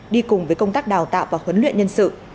đi cùng với công tác đào tạo và huấn luyện nhân sự